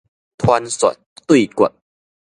傳說對決